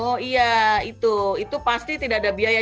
oh iya itu itu pasti tidak ada biaya